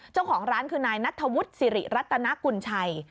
เจ้าของร้านคือนายนัทธวุฒิสิริรัตนกุญชัย